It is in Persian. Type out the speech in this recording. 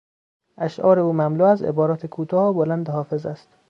اشعار او مملو از عبارات کوتاه و بلند حافظ است.